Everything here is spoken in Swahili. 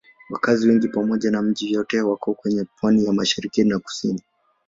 Wakazi wengi pamoja na miji yote wako kwenye pwani ya mashariki na kusini.